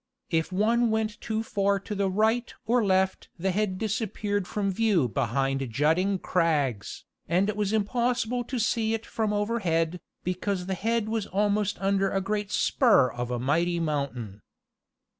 If one went too far to the right or left the head disappeared from view behind jutting crags, and it was impossible to see it from overhead, because the head was almost under a great spur of a mighty mountain.